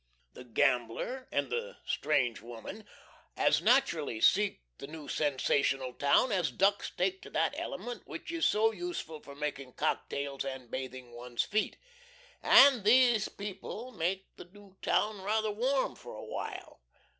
The gambler and the strange woman as naturally seek the new sensational town as ducks take to that element which is so useful for making cocktails and bathing one's feet; and these people make the new town rather warm for a while.